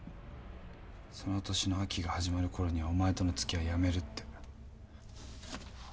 その年の秋が始まるころにはお前とのつきあいやめるって。